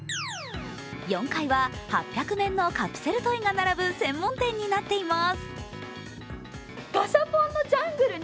４階は８００面のカプセルトイが並んだ専用フロアになっています。